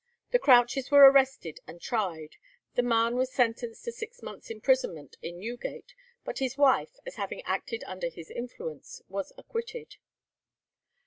The Crouches were arrested and tried; the man was sentenced to six months' imprisonment in Newgate, but his wife, as having acted under his influence, was acquitted.